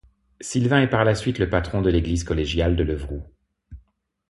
Sylvain est par la suite le patron de l'église collégiale de Levroux.